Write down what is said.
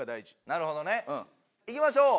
なるほどね。いきましょう！